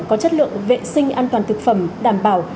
có chất lượng vệ sinh an toàn thực phẩm đảm bảo